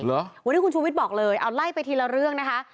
วันที่คุณชูวิทย์บอกเลยเอาไล่ไปทีละเรื่องนะคะ